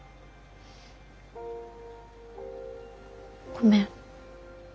ごめん。